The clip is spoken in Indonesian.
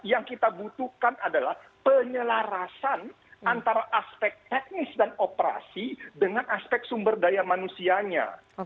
yang kita butuhkan adalah penyelarasan antara aspek teknis dan operasi dengan aspek sumber daya manusianya